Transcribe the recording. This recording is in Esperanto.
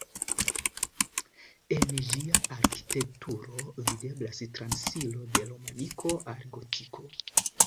En ĝia arkitekturo videblas transiro de romaniko al gotiko.